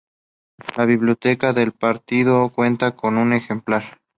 La biblioteca del partido cuenta con un ejemplar.